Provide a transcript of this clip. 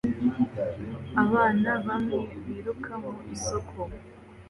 Abana bamwe biruka mu isoko